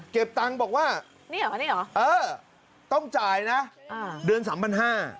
เก็บตังค์บอกว่าต้องจ่ายนะเดือน๓บัน๕